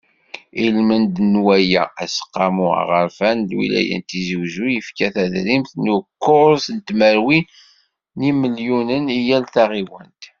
Ilmend n waya, Aseqqamu Aɣerfan n Lwilaya n Tizi Uzzu, yefka tadrimt n ukkuẓ tmerwin n yimelyunen i yal taɣiwant.